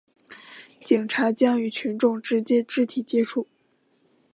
警察将与群众直接肢体接触